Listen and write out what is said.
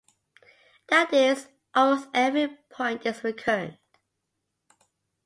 That is, almost every point is recurrent.